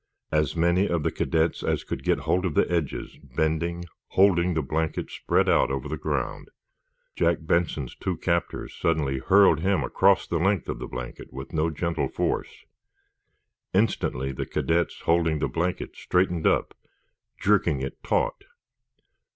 As many of the cadets as could got hold of the edges, bending, holding the blanket spread out over the ground. Jack Benson's two captors suddenly hurled him across the length of the blanket with no gentle force. Instantly the cadets holding the blankets straightened up, jerking it taut.